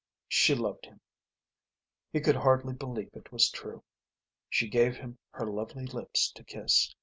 She loved him. He could hardly believe it was true. She gave him her lovely lips to kiss.